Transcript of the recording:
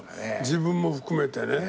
自分も含めてね。